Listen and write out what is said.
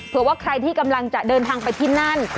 ว่าใครที่กำลังจะเดินทางไปที่นั่น